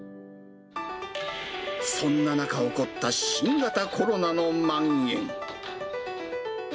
そんな中起こった新型コロナのまん延。